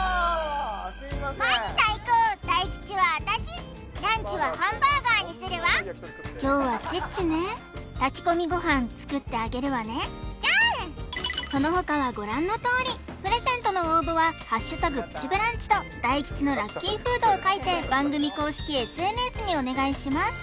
すみませんマジ最高大吉は私ランチはハンバーガーにするわ凶はチッチね炊き込みご飯作ってあげるわねその他はご覧のとおりプレゼントの応募は「＃プチブランチ」と大吉のラッキーフードを書いて番組公式ＳＮＳにお願いします